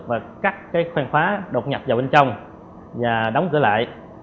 và cắt cái khoen khóa đột nhập vào bên trong và đóng cửa lại